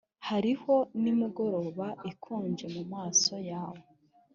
hariho nimugoroba ikonje mumaso yawe.